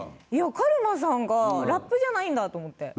カルマさんがラップじゃないんだと思って。